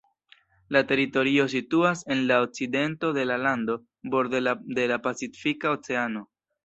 La teritorio situas en la okcidento de la lando, borde de la Pacifika Oceano.